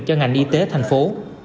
cho ngành y tế thành phố